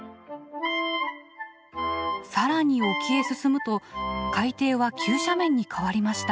更に沖へ進むと海底は急斜面に変わりました。